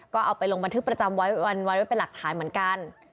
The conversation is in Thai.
ก็เอาไปลงบันทึกประจำวันไว้เป็นหลักฐานเหมือนกัน